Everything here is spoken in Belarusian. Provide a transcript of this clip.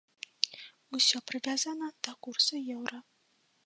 Усё прывязана да курса еўра.